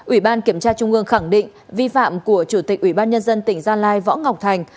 ủy ban kiểm tra trung ương khẳng định vi phạm của chủ tịch ủy ban nhân dân tỉnh gia lai võ ngọc thành